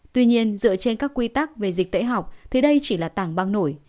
tuy nhiên dựa trên các quy tắc về dịch tễ học thì đây chỉ là tảng băng nổi